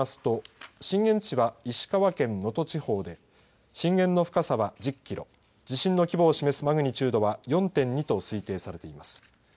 気象庁の観測によりますと震源地は石川県能登地方で震源の深さは１０キロ地震の規模を示すマグニチュードは４．２と推定されています。